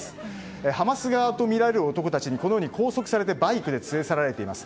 ハマス側とみられる男たちに拘束されてバイクで連れ去られています。